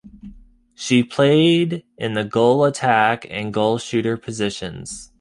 She played in the goal attack and goal shooter positions.